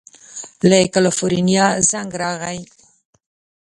له کلیفورنیا زنګ راغی.